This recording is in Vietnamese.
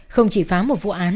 không chỉ phá một vụ án